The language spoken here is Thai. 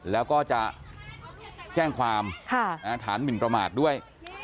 แล้วก็จะแจ้งความฐานหมินประมาทด้วย